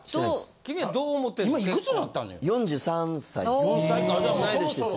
健はどう思ってんの？